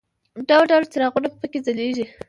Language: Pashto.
ډول ډول څراغونه په کې ځلېږي.